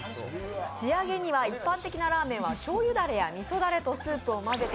仕上げには一般的なラーメンはしょうゆダレやみそダレを混ぜて